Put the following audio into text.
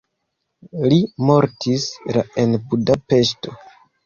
Li mortis la en Budapeŝto.